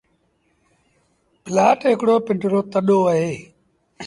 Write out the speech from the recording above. پلآٽ هڪڙو پنڊرو تڏو اهي۔